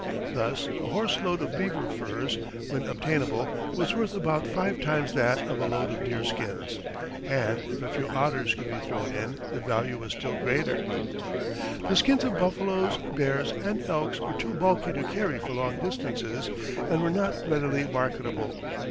Thus, a horse load of beaver furs, when obtainable, was worth about five times that of a load of deerskins; and if a few otters could be thrown in, the value was still greater. The skins of buffaloes, bears, and elks were too bulky to carry for long distances, and were not readily marketable.